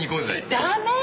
ダメ！